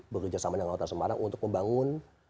bekerja sama dengan kota sumarang untuk membangun